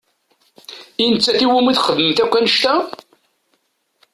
I nettat i wumi txedmemt akk annect-a?